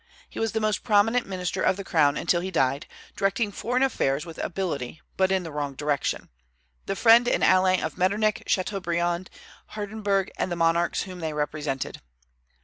He was the most prominent minister of the crown until he died, directing foreign affairs with ability, but in the wrong direction, the friend and ally of Metternich, Chateaubriand, Hardenberg, and the monarchs whom they represented.